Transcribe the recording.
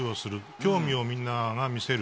興味をみんなが見せる。